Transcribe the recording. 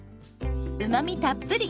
うまみたっぷり！